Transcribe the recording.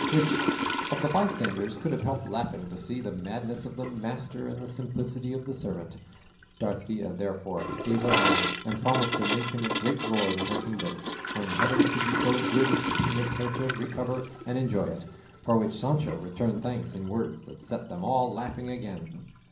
Which of the bystanders could have helped laughing to see the madness of the master and the simplicity of the servant? Dorothea therefore gave her hand, and promised to make him a great lord in her kingdom, when Heaven should be so good as to permit her to recover and enjoy it, for which Sancho returned thanks in words that set them all laughing again.